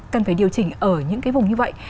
cần phải điều chỉnh ở những cái vùng như vậy